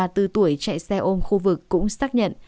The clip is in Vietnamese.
ba mươi bốn tuổi chạy xe ôm khu vực cũng xác nhận